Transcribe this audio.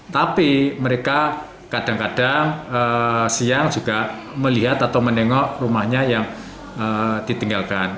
tapi mereka kadang kadang siang juga melihat atau menengok rumahnya yang ditinggalkan